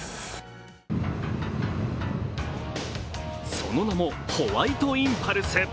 その名もホワイトインパルス。